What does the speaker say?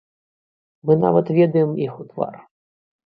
Мы нават ведаем іх у твар.